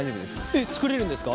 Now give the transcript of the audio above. えっ作れるんですか？